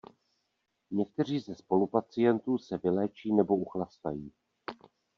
Někteří ze spolupacientů se vyléčí nebo uchlastají.